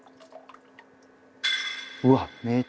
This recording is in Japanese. うわっ